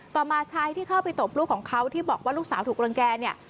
มาชายที่เข้าไปตบลูกของเขาที่บอกว่าลูกสาวถูกรังแก่เนี่ย